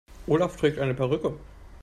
Olaf trägt eine Perücke.